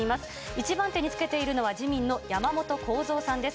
１番手につけているのは、自民の山本幸三さんです。